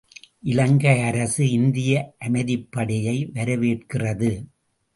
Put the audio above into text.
இலங்கை அரசு இந்திய அமைதிப்படையை வரவேற்கிறது.